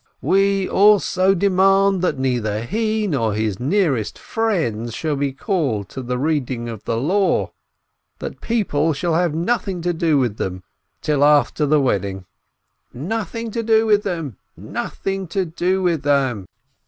"We also demand that neither he nor his nearest friends shall be called to the Eeading of the Law; 476 BLINKIN that people shall have nothing to do with them till after the wedding!" "Nothing to do with them! Nothing to do with them